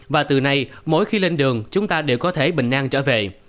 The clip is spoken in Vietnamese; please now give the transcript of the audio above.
và từ nay mỗi khi lên đường chúng ta đều có thể bình an trở về